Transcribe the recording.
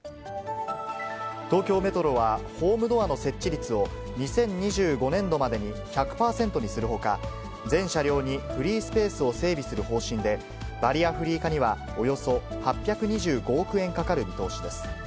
東京メトロは、ホームドアの設置率を、２０２５年度までに１００％にするほか、全車両にフリースペースを整備する方針で、バリアフリー化にはおよそ８２５億円かかる見通しです。